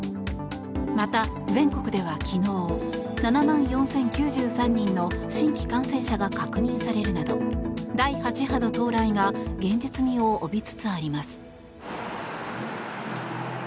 また、全国では昨日７万４０９３人の新規感染者が確認されるなど第８波の到来が現実味を帯びつつあります。